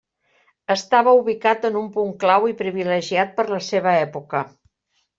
Estava ubicat en un punt clau i privilegiat per la seva època.